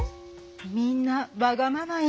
みんなわがまま言って。